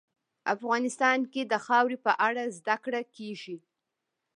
افغانستان کې د خاوره په اړه زده کړه کېږي.